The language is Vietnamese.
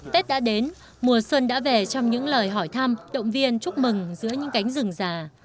tết đã đến mùa xuân đã về trong những lời hỏi thăm động viên chúc mừng giữa những cánh rừng già